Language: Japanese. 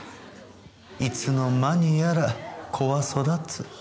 いつの間にやら子は育つ。